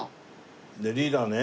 でリーダーね。